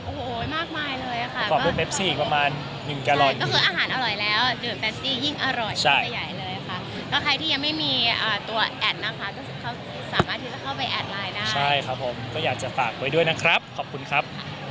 โอ้โหมากมายเลยค่ะก็คืออาหารอร่อยแล้วอ่ะดื่มเบสซี่ยิ่งอร่อยยิ่งไปใหญ่เลยค่ะก็ใครที่ยังไม่มีตัวแอดนะคะก็คือเขาสามารถที่จะเข้าไปแอดไลน์ได้ใช่ครับผมก็อยากจะฝากไว้ด้วยนะครับขอบคุณครับ